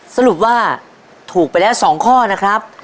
สรุปว่าถูกไปแล้ว๒ข้อนะครับ